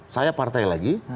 saya partai lagi